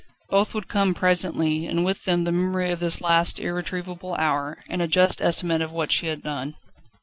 Both would come presently, and with them the memory of this last irretrievable hour and a just estimate of what she had done.